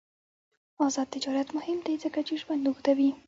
آزاد تجارت مهم دی ځکه چې ژوند اوږدوي.